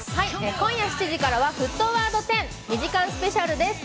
今夜７時からは『沸騰ワード１０』２時間スペシャルです。